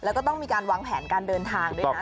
แล้วก็ต้องมีการวางแผนการเดินทางด้วยนะ